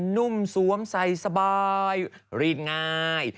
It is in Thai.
นุ่มสวมใส่สบายรีดง่าย